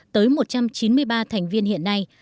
tới một trăm chín mươi ba thành viên hiện nay